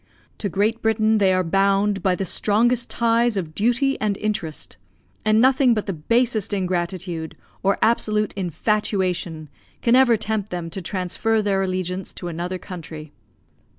To Great Britain they are bound by the strongest ties of duty and interest; and nothing but the basest ingratitude or absolute infatuation can ever tempt them to transfer their allegiance to another country.